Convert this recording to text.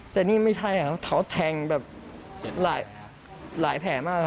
แต่นี่ไม่ใช่ครับเขาแทงแบบหลายแผลมาก